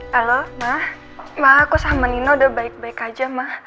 halo ma ma aku sama nino udah baik baik aja ma